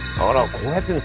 こうやってるの。